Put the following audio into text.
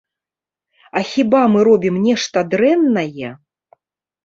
А хіба мы робім нешта дрэннае?